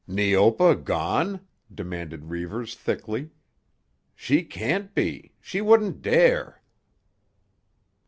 "Neopa gone?" demanded Reivers thickly. "She can't be; she wouldn't dare."